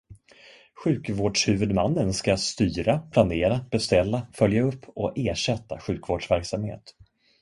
Sjukvårdshuvudmannen ska styra, planera, beställa, följa upp och ersätta sjukvårdsverksamhet.